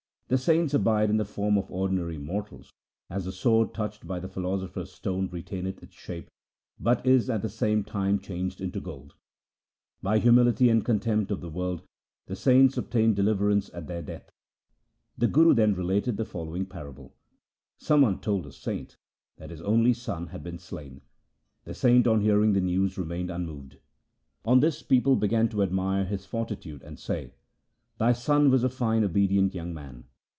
The saints abide in the form of ordinary mortals, as the sword touched by the philosopher's stone retaineth its shape, but is at the same time changed into gold. By humility and contempt of the world the saints obtain deliverance at their death.' The Guru then related the following parable :' Some one told a saint that his only son had been slain. The saint on hearing the news remained unmoved. On this people began to admire his fortitude, and say, " Thy son was a fine, obedient young man.